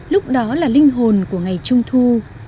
lúc đó là linh hồn của ngày trung thu